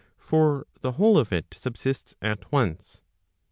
1 For the whole of it subsists at once.